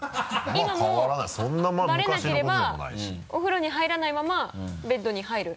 今もバレなければお風呂に入らないままベッドに入る？